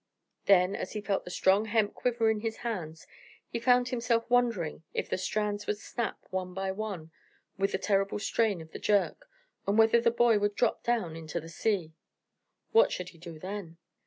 Then, as he felt the strong hemp quiver in his hands, he found himself wondering if the strands would snap one by one with the terrible strain of the jerk, and whether the boy would drop down into the sea. What should he do then?